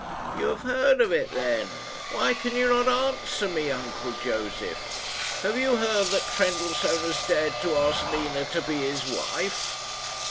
"You have heard of it, then? Why can you not answer me, uncle Josef? Have you heard that Trendellsohn has dared to ask Nina to be his wife?"